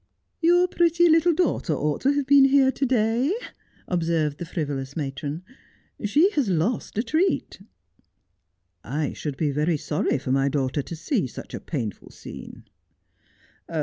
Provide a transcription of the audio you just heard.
' Your pretty little daughter ought to have been here to day,' observed the frivolous matron ;' she has lost a treat.' ' I should be very sorry for my daughter to see such a painful scene.'